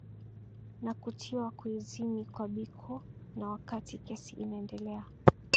Na kutiwa kuizini kwa Biko na wakati kesi inaendelea